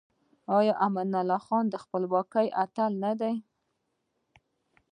آیا امان الله خان د خپلواکۍ اتل نه دی؟